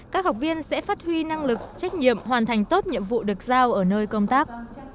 các học viên sẽ phát huy năng lực trách nhiệm hoàn thành tốt nhiệm vụ được giao ở nơi công tác